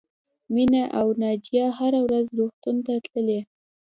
مینه او ناجیه هره ورځ روغتون ته تللې